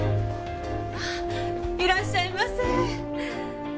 あっいらっしゃいませ。